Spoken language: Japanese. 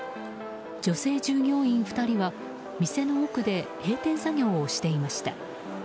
女性従業員２人は店の奥で閉店作業をしていました。